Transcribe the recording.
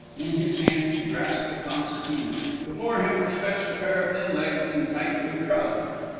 In his hands he grasped a concertina, before him were stretched a pair of thin legs in tight blue trousers.